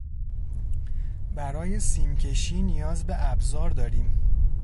برای سیم کشی نیاز به ابزار داریم.